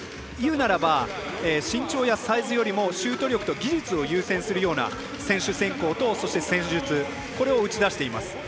言うならば身長やサイズよりもシュート力と技術を優先するような選手選考とそして、戦術これを打ち出しています。